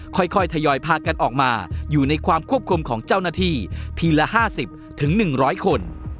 ค่อยทยอยพากันออกมาอยู่ในความควบคุมของเจ้าหน้าที่ทีละ๕๐๑๐๐คน